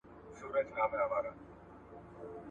له هغې ورځي نن شل کاله تیریږي ..